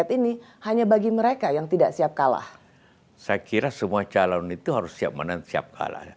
saya kira semua calon itu harus siap menang dan siap kalah